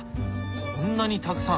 こんなにたくさん。